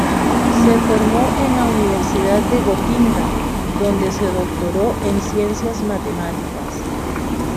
Se formó en la Universidad de Gotinga, donde se doctoró en Ciencias Matemáticas.